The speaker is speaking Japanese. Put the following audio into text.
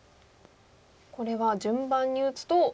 これは順番に打つと。